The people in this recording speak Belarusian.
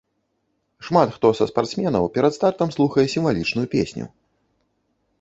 Шмат хто са спартсменаў перад стартам слухае сімвалічную песню.